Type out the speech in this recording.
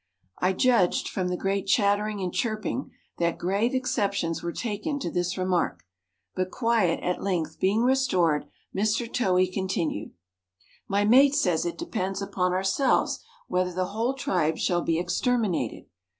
I judged, from the great chattering and chirping, that grave exceptions were taken to this remark, but quiet at length being restored, Mr. Towhee continued: "My mate says it depends upon ourselves whether the whole tribe shall be exterminated.